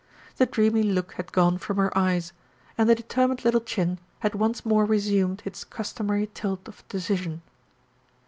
The dreamy look had gone from her eyes, and the determined little chin had once more resumed its customary tilt of decision.